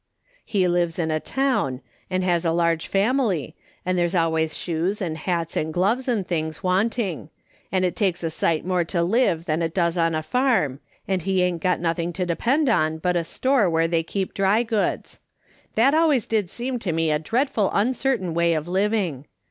He lives in ?l town, and has a large family, A SUNDAY SCtiOOL CONVEi/TIO^. 21 <ind there's always shoes and hats and gloves and things wanting, and it takes a sight more to live than it does on a farm, and he ain't nothing to depend on but a store where they keep dry goods. That always did seem to me a dreadful uncertain way of living